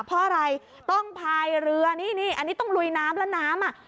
เพราะอะไรต้องพายเรือนี่นี่อันนี้ต้องลุยน้ำแล้วน้ำอ่ะ